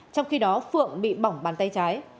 trong khi đó phượng bị bỏng bàn tay trái